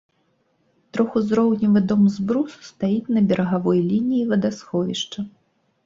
Трохузроўневы дом з брусу стаіць на берагавой лініі вадасховішча.